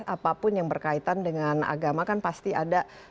apapun yang berkaitan dengan agama kan pasti ada